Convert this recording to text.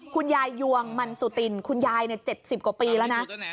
คุณยายยวงมันสุตินคุณยาย๗๐กว่าปีแล้วนะ